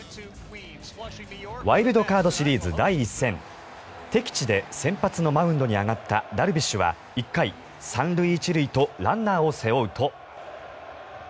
ワイルドカードシリーズ第１戦敵地で先発のマウンドに上がったダルビッシュは１回、３塁１塁とランナーを背負うと。